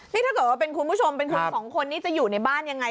นี่ถ้าเกิดว่าเป็นคุณผู้ชมเป็นคุณสองคนนี้จะอยู่ในบ้านยังไง